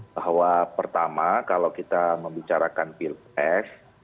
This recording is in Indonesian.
bahwa pertama kalau kita membicarakan pilpres